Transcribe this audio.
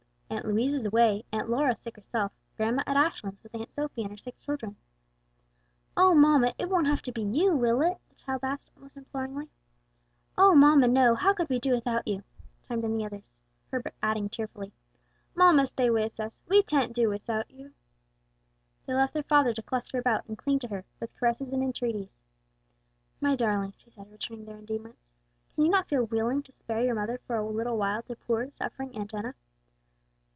Aunt Louise is away, Aunt Lora sick herself, grandma at Ashlands with Aunt Sophie and her sick children." "Oh, mamma, it won't have to be you, will it?" the child asked almost imploringly. "Oh, mamma, no; how could we do without you?" chimed in the others, Herbert adding tearfully, "Mamma stay wis us; we tan't do wisout you." They left their father to cluster about and cling to her, with caresses and entreaties. "My darlings," she said, returning their endearments, "can you not feel willing to spare your mother for a little while to poor, suffering Aunt Enna?"